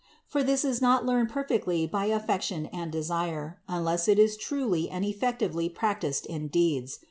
For this is not learned perfectly by affection and desire, unless it is truly and effectively practiced in deeds.